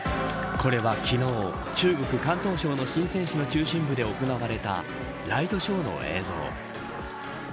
これは昨日、中国・広東省の深センの中心部で行われたライトショーの映像。